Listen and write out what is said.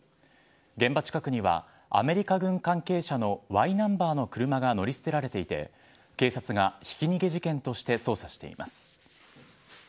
現場近くにはアメリカ軍関係者のＹナンバーの車が乗り捨てられていて警察が、ひき逃げ事件として捜査しています。